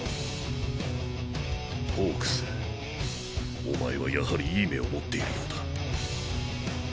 ホークスおまえはやはり良い目を持っているようだ